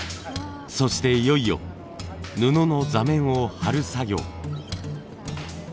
そしていよいよ布の座面を張る作業。